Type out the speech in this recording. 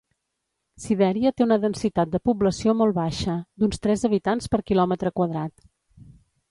Sibèria té una densitat de població molt baixa, d'uns tres habitants per quilòmetre quadrat.